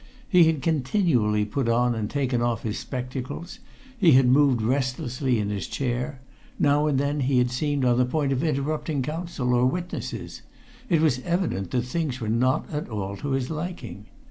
He had continually put on and taken off his spectacles; he had moved restlessly in his chair; now and then he had seemed on the point of interrupting counsel or witnesses: it was evident that things were not at all to his liking.